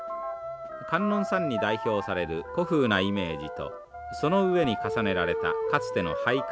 観音さんに代表される古風なイメージとその上に重ねられたかつてのハイカラさです。